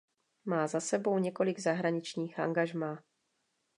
Má za sebou několik zahraničních angažmá.